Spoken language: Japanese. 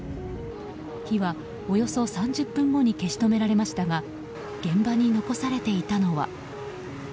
火はおよそ３０分後に消し止められましたが現場に残されていたのは。